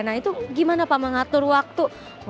nah itu gimana pak mengatur waktu